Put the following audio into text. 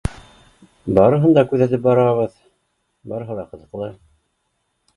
Барыһын да күҙәтеп барабыҙ, барыһы ла ҡыҙыҡлы.